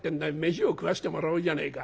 飯を食わせてもらおうじゃねえか。